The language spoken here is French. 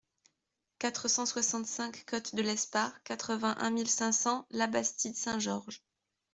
quatre cent soixante-cinq côte de Lespare, quatre-vingt-un mille cinq cents Labastide-Saint-Georges